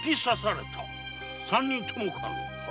三人ともか。